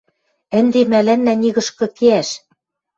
Ӹнде мӓлӓннӓ нигышкы кеӓш...